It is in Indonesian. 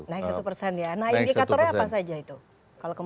naik satu persen ya nah indikatornya apa saja itu